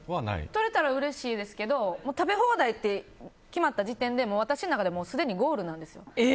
取れたらうれしいですけど食べ放題って決まった時点で私の中ですでにゴールなんです。